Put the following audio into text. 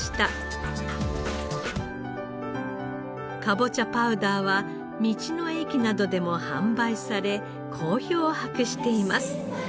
かぼちゃパウダーは道の駅などでも販売され好評を博しています。